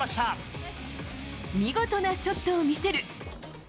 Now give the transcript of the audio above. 見事なショットを見せる。